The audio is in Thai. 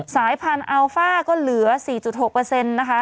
สายพันธุ์อัลฟ่าก็เหลือ๔๖นะคะ